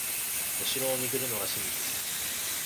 お城を巡るのが趣味です